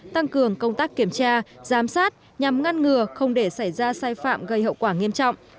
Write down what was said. tăng cường công tác kiểm tra giám sát nhằm ngăn ngừa không để xảy ra sai phạm gây hậu quả nghiêm trọng